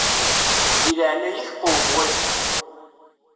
Di leɛnaya-k qwem waki.